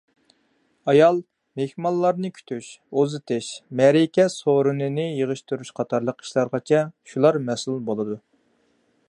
ئايال مېھمانلارنى كۈتۈش، ئۇزىتىش، مەرىكە سورۇنىنى يىغىشتۇرۇش قاتارلىق ئىشلارغىچە شۇلار مەسئۇل بولىدۇ.